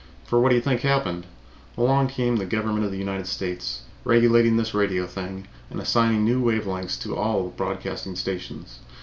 For what do you think happened? Along came the Government of the United States, regulating this radio thing, and assigned new wave lengths to all the broadcasting stations.